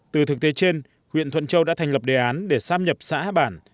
từ thực tế trên huyện thuận châu đã thành lập đề án để sáp nhập xã bản